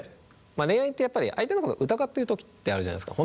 恋愛ってやっぱり相手のこと疑ってる時ってあるじゃないですか。